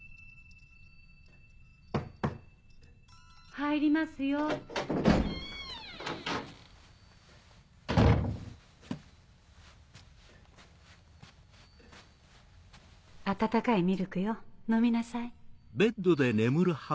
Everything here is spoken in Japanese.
・入りますよ・温かいミルクよ飲みなさい。